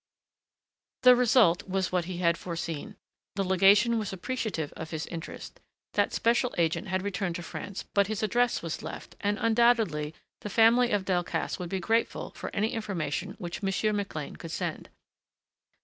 The result was what he had foreseen. The legation was appreciative of his interest. That special agent had returned to France but his address was left, and undoubtedly the family of Delcassé would be grateful for any information which Monsieur McLean could send.